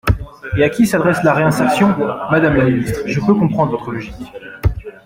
Et à qui s’adresse la réinsertion ? Madame la ministre, je peux comprendre votre logique.